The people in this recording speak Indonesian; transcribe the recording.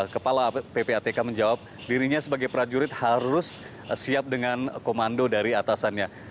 kepala ppatk menjawab dirinya sebagai prajurit harus siap dengan komando dari atasannya